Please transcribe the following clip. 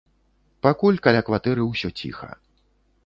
Пакуль каля кватэры ўсё ціха.